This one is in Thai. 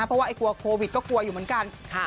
เพราะว่ากลัวโควิดก็กลัวอยู่เหมือนกัน